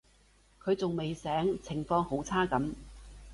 佢仲未醒，情況好差噉